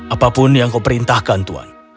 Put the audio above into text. apapun yang kau perintahkan tuhan